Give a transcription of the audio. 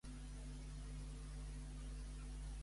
Qui és Martin Vermeer?